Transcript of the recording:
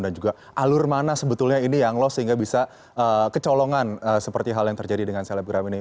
dan juga alur mana sebetulnya ini yang lost sehingga bisa kecolongan seperti hal yang terjadi dengan selebgram ini